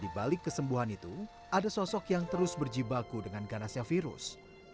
di balik kesembuhan itu ada sosok yang terus berjibaku dengan ganasnya virus